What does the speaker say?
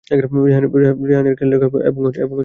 রেহানের খেয়াল রেখো এবং নিজের।